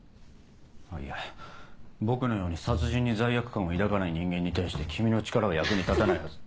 いや僕のように殺人に罪悪感を抱かない人間に対して君の力は役に立たないはず。